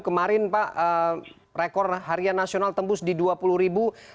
kemarin pak rekor harian nasional tembus di dua puluh ribu